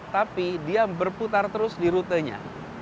tapi dia berputar terus di rutenya